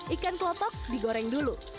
ikan klotok digoreng dulu